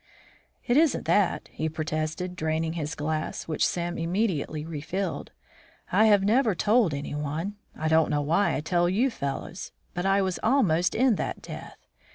"It isn't that," he protested, draining his glass, which Sam immediately refilled. "I have never told anyone, I don't know why I tell you fellows, but I was almost in at that death.